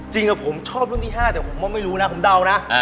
จริงผมชอบรุ่นที่๕แต่ผมก็ไม่รู้นะผมเดานะ